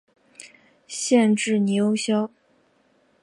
县治尼欧肖。